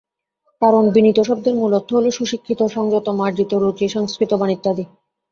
কারণ বিনীত শব্দের মূল অর্থ হলো সুশিক্ষিত, সংযত, মার্জিত রুচি, সংস্কৃতবান ইত্যাদি।